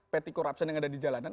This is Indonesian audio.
pt corruption yang ada di jalanan